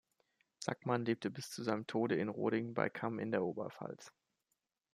Sackmann lebte bis zu seinem Tode in Roding bei Cham in der Oberpfalz.